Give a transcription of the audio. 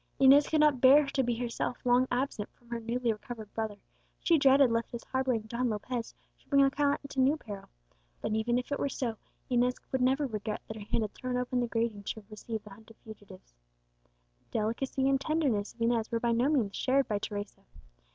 Inez could not bear to be herself long absent from her newly recovered brother; she dreaded lest his harbouring Don Lopez should bring Alcala into new peril. But even if it were so, Inez would never regret that her hand had thrown open the grating to receive the hunted fugitives. The delicacy and tenderness of Inez were by no means shared by Teresa.